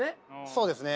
そうですね